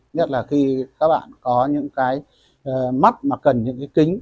nhất là khi các bạn có những cái mắt mà cần những cái kính